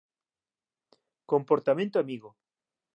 Comportamento amigo